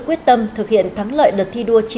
quyết tâm thực hiện thắng lợi đợt thi đua